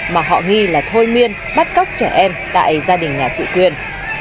mà họ nghi là thôi miên bắt cóc trẻ em tại gia đình nhà chị quyên